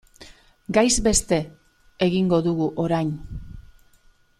Gaiz beste egingo dugu orain.